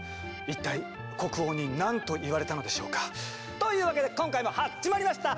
一体国王に何と言われたのでしょうか？というわけで今回も始まりました！